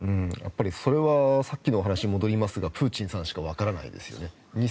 それはさっきの話に戻りますがプーチンさんしかわからないですよね。